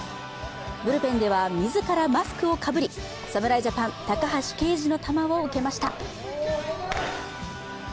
ブルペンでは自らマスクをかぶり、侍ジャパン・高橋奎二の球を受けました。